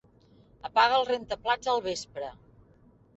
Apaga el rentaplats al vespre.